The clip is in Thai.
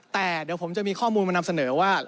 แต่เดี๋ยวผมจะมีข้อมูลมานำเสนอว่า